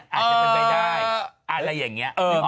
อาจจะเป็นไปได้อะไรอย่างนี้